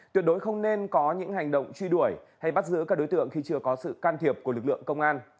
tuyệt đối không nên có những hành động truy đuổi hay bắt giữ các đối tượng khi chưa có sự can thiệp của lực lượng công an